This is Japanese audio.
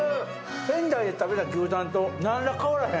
仙台で食べた牛たんと何ら変わらへん。